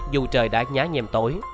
dù trời đã nhá nhèm tối